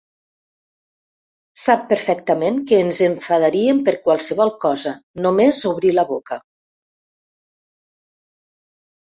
Sap perfectament que ens enfadaríem per qualsevol cosa, només obrir la boca.